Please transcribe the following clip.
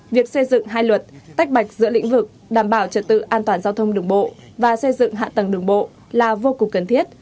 việc xây dựng hai luật tách bạch giữa lĩnh vực đảm bảo trật tự an toàn giao thông đường bộ và xây dựng hạ tầng đường bộ là vô cùng cần thiết